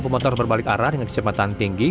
pemotor berbalik arah dengan kecepatan tinggi